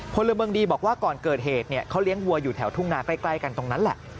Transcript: พลเมืองดีบอกว่าก่อนเกิดเหตุเขาเลี้ยงวัวอยู่แถวทุ่งนาใกล้กันตรงนั้นแหละ